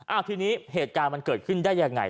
ทีนี้เหตุการณ์มันเกิดขึ้นได้ยังไง